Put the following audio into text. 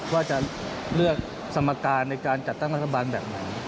ว่าจะเลือกสมการในการจัดตั้งรัฐบาลแบบไหน